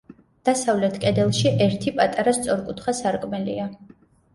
დასავლეთ კედელში ერთი პატარა სწორკუთხა სარკმელია.